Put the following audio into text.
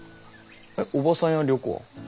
えっおばさんや良子は？